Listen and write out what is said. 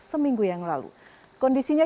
seminggu yang lalu kondisinya